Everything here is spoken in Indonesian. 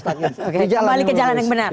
kembali ke jalan yang benar